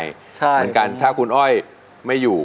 เหมือนกันถ้าคุณอ้อยไม่อยู่